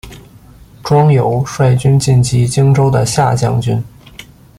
庄尤率军进击荆州的下江军。